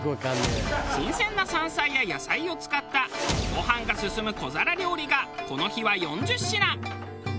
新鮮な山菜や野菜を使ったご飯が進む小皿料理がこの日は４０品。